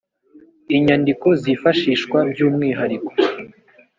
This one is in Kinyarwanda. inyandiko zifashishwa by’umwihariko